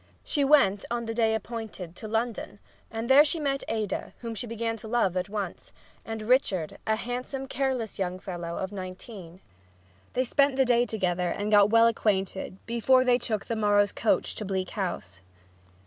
She went, on the day appointed, to London, and there she met Ada, whom she began to love at once, and Richard, a handsome, careless young fellow of nineteen. They spent the day together and got well acquainted before they took the morrow's coach to Bleak House.